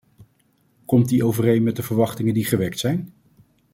Komt die overeen met de verwachtingen die gewekt zijn?